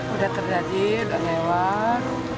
udah terjadi udah lewat